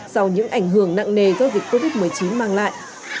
sau những ảnh hưởng nặng nề do dịch covid một mươi chín mang lại